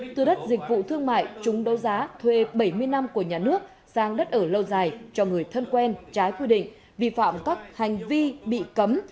từ đất dịch vụ thương mại chúng đấu giá thuê bảy mươi năm của nhà nước sang đất ở lâu dài cho người thân quen trái quy định vi phạm các hành vi bị cấm